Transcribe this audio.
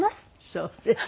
そうですか。